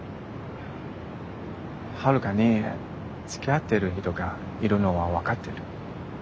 春香につきあってる人がいるのは分かってる。